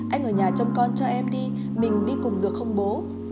anh ở nhà chăm con cho em đi mình đi cùng được không bố